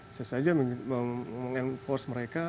bisa saja mengembang mereka